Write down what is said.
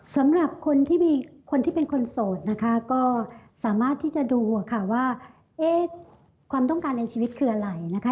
สำหรับคนที่มีคนที่เป็นคนโสดนะคะก็สามารถที่จะดูค่ะว่าความต้องการในชีวิตคืออะไรนะคะ